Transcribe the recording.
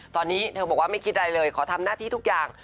ตอนนี้เธอบอกว่าไม่คิดอะไรเลยขอทำหน้าที่ทุกอย่าง